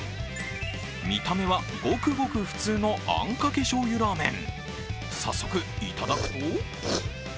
見た目はごくごく普通のあんかけしょうゆラーメン。